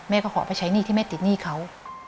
ขอไปใช้หนี้ที่แม่ติดหนี้เขา